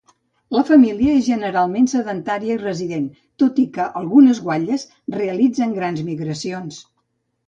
La família és generalment sedentària i resident, tot i que algunes guatlles realitzen grans migracions.